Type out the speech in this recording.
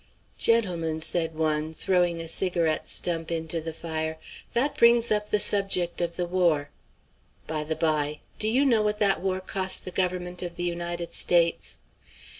"Gentlemen," said one, throwing a cigarette stump into the fire, "that brings up the subject of the war. By the by, do you know what that war cost the Government of the United States?"